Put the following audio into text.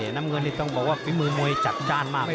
น้ำเงินนี่ต้องบอกว่าฝีมือมวยจัดจ้านมากเลย